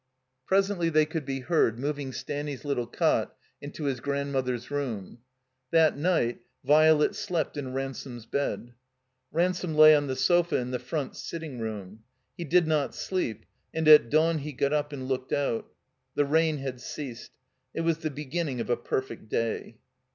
Presently they could be heard moving Staxmy's little cot into his grandmother's room. That night Violet slept in Ransome's bed. Ransome lay on the sofa in the front sitting room. He did not sleep, and at dawn he got up and looked out. The rain had ceased. It was the beginning of a perfect day.